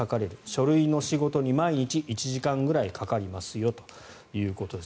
書類仕事に毎日１時間ぐらいかかりますよということです。